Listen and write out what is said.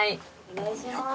お願いします